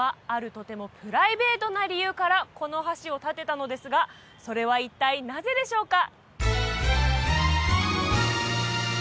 とてもプライベートな理由からこの橋を建てたのですがそれは一体なぜでしょうか？